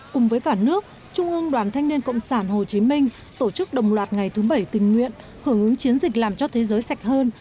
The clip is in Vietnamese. cùng với cả nước trung ương đoàn thanh niên cộng sản hồ chí minh tổ chức đồng loạt ngày thứ bảy tình nguyện hưởng ứng chiến dịch làm cho thế giới sạch hơn